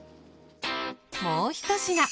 もう一品。